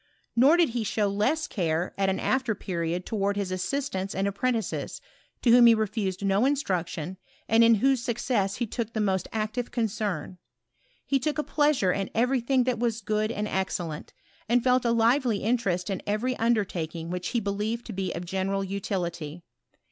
Nor did he show less care at an after period towards his assistants and apprentices, to whom he refused no instruction, and in whose success he took the most active concern. He took a pleasure in every thing that was good and excellent, and felt a lively interest in every under taking which he believed to be of general utility.